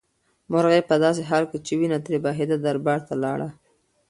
مرغۍ په داسې حال کې چې وینه ترې بهېده دربار ته لاړه.